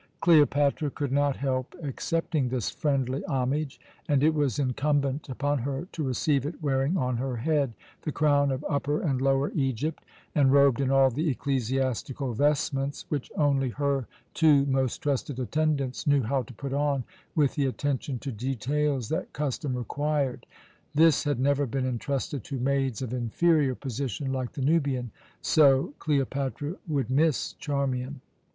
Cleopatra could not help accepting this friendly homage, and it was incumbent upon her to receive it wearing on her head the crown of Upper and Lower Egypt, and robed in all the ecclesiastical vestments which only her two most trusted attendants knew how to put on with the attention to details that custom required. This had never been entrusted to maids of inferior position like the Nubian; so Cleopatra would miss Charmian.